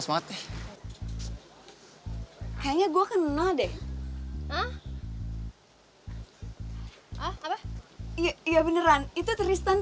lo mau gak nombor teleponnya tristan